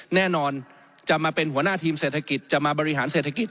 แน่นอนจะมาเป็นหัวหน้าทีมเศรษฐกิจจะมาบริหารเศรษฐกิจ